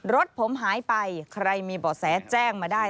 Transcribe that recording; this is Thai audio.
รถผมหายไปใครมีบ่อแสแจ้งมาได้